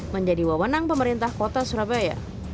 menjadi wawonan pemerintah kota surabaya